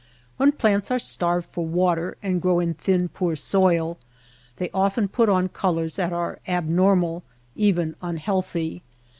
When plants are starved for water and grow in thin poor soil they often put on colors that are abnormal, even unhealthy.